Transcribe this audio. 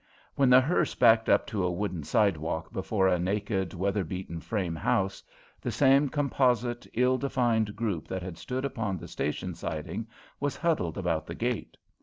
When the hearse backed up to a wooden sidewalk before a naked, weather beaten frame house, the same composite, ill defined group that had stood upon the station siding was huddled about the gate.